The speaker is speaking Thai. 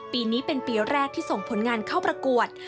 ปีนี้เป็นปีแรกที่ส่งผลงานเข้าประกวด